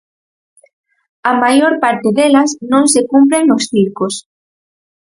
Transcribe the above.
A maior parte delas non se cumpren nos circos.